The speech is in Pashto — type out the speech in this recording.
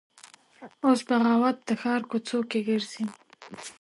اوس بغاوت د ښار کوڅ وکې ګرځي